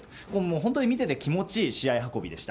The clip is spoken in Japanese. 本当に見てて気持ちいい試合運びでした。